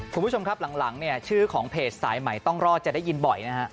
คุณผู้ชมครับหลังเนี่ยชื่อของเพจสายใหม่ต้องรอดจะได้ยินบ่อยนะฮะ